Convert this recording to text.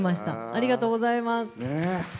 ありがとうございます。